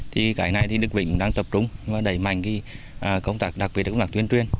thì cái này thì đức vĩnh đang tập trung và đẩy mạnh cái công tác đặc biệt công tác tuyên truyền